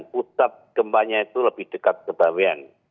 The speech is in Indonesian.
pusat gempanya itu lebih dekat ke bawean